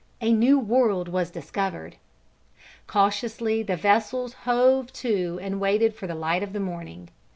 A new world was discovered. Cautiously the vessels hove to and waited for the light of the morning.